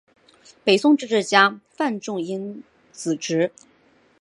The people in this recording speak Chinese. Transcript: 北宋政治家范仲淹子侄。